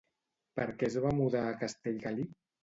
Per què es va mudar a Castellgalí?